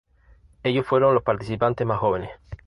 Ellos fueron los participantes más jóvenes.